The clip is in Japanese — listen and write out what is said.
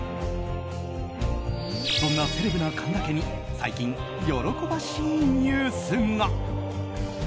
そんなセレブな神田家に最近、喜ばしいニュースが。